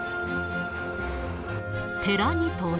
寺に到着。